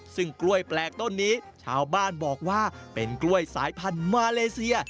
ซึ่งกล้วยแปลกต้นนี้ชาวบ้านบอกว่าเป็นกล้วยสายพันธุ์มาเลเซีย